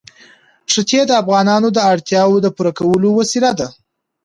ښتې د افغانانو د اړتیاوو د پوره کولو وسیله ده.